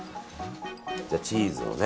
じゃあ、チーズを。